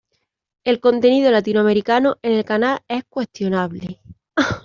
El contenido latinoamericano en el canal es cuestionable.